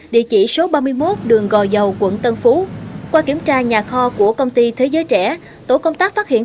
xin chào các bạn